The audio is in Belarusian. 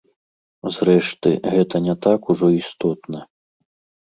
Зрэшты, гэта не так ужо істотна.